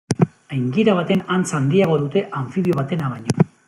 Aingira baten antz handiagoa dute anfibio batena baino.